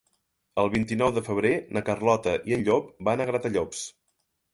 El vint-i-nou de febrer na Carlota i en Llop van a Gratallops.